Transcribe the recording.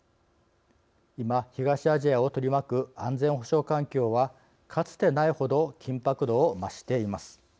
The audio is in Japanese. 今、東アジアを取り巻く安全保障環境は、かつてない程緊迫度を増しています。